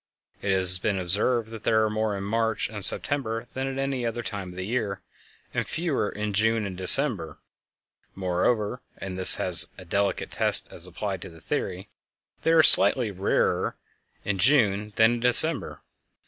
It has been observed that there are more in March and September than at any other time of the year, and fewer in June and December; moreover (and this is a delicate test as applied to the theory), they are slightly rarer in June than in December.